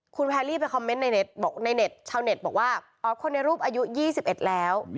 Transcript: คุณแพรรี่ไปคอมเมนต์ในชาวเน็ตบอกว่าอ๋อคนในรูปอายุ๒๑แล้ว